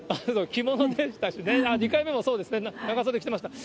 着物でしたしね、２回目も長袖着てました。